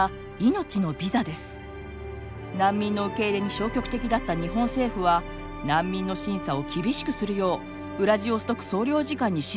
難民の受け入れに消極的だった日本政府は難民の審査を厳しくするようウラジオストク総領事館に指示します。